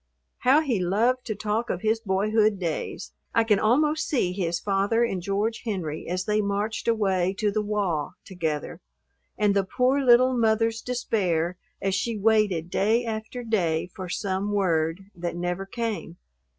How he loved to talk of his boyhood days! I can almost see his father and George Henry as they marched away to the "wah" together, and the poor little mother's despair as she waited day after day for some word, that never came.